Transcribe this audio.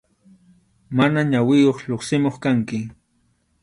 Mana ñawiyuq lluqsimuq kanki.